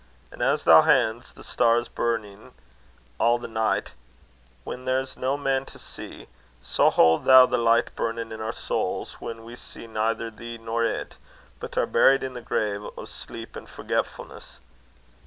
An' as thou hauds the stars burnin' a' the nicht, whan there's no man to see, so haud thou the licht burnin' in our souls, whan we see neither thee nor it, but are buried in the grave o' sleep an' forgetfu'ness.